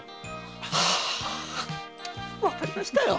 わかりましたよ！